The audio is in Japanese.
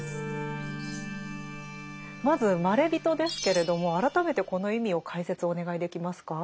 まず「まれびと」ですけれども改めてこの意味を解説お願いできますか？